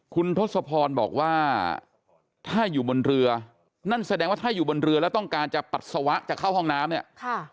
คุณทศพรบอกว่าถ้าอยู่บนเรือนั่นแสดงว่าถ้าอยู่บนเรือแล้วต้องการจะปัสสาวะจะเข้าห้องน้ำเนี่ย